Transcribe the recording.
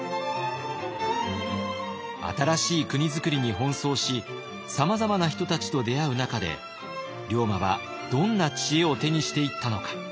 新しい国づくりに奔走しさまざまな人たちと出会う中で龍馬はどんな知恵を手にしていったのか。